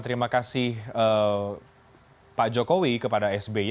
terima kasih pak jokowi kepada sby